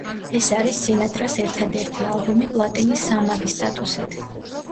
ეს არის სინატრას ერთადერთი ალბომი პლატინის სამმაგი სტატუსით.